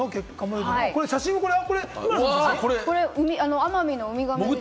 奄美のウミガメ。